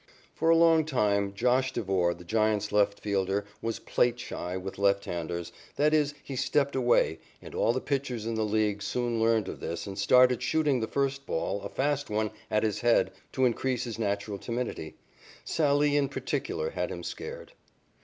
For a long time, "Josh" Devore, the Giants' left fielder, was "plate shy" with left handers that is, he stepped away and all the pitchers in the League soon learned of this and started shooting the first ball, a fast one, at his head to increase his natural timidity. Sallee, in particular, had him scared.